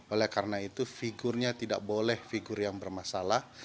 oleh karena itu figurnya tidak boleh figur yang bermasalah